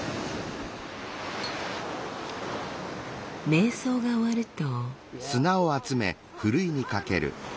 瞑想が終わると。